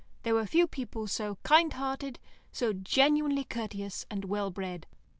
There were few people so kind hearted, so genuinely courteous and well bred.